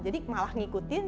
jadi malah ngikutin